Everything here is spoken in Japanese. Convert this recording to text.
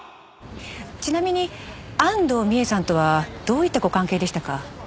ちなみに安藤美絵さんとはどういったご関係でしたか？